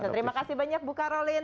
terima kasih banyak bu karolin